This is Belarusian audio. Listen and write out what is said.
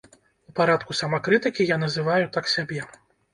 У парадку самакрытыкі я называю так сябе.